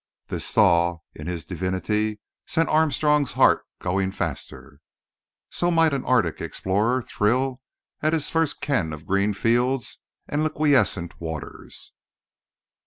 This thaw in his divinity sent Armstrong's heart going faster. So might an Arctic explorer thrill at his first ken of green fields and liquescent waters.